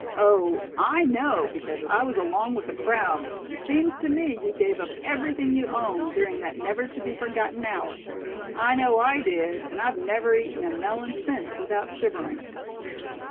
Oh! I know, because I was along with the crowd; and seems to me you gave up everything you owned, during that never to be forgotten hour. I know I did; and I've never eaten a melon since without shivering."